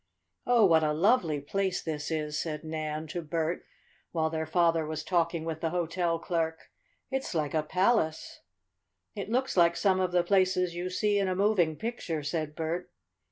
"Oh, what a lovely place this is," said Nan to Bert, while their father was talking with the hotel clerk. "It's like a palace." "It looks like some of the places you see in a moving picture," said Bert.